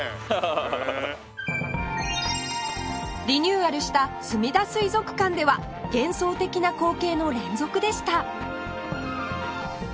リニューアルしたすみだ水族館では幻想的な光景の連続でした！